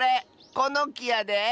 このきやで。